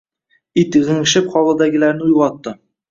Itning g‘ingshib hovlidagilarni uyg‘otdi